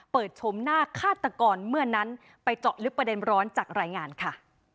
ชมหน้าฆาตกรเมื่อนั้นไปเจาะลึกประเด็นร้อนจากรายงานค่ะ